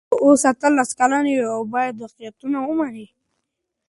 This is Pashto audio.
ته اوس اتلس کلنه یې او باید واقعیتونه ومنې.